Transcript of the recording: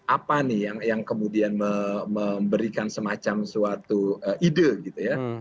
apa nih yang kemudian memberikan semacam suatu ide gitu ya